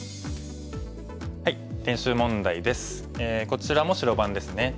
こちらも白番ですね。